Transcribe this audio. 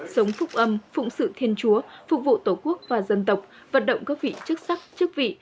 sống phúc âm phụng sự thiên chúa phục vụ tổ quốc và dân tộc vận động các vị chức sắc chức vị